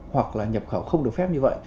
hoặc là nhập khẩu không được phép như vậy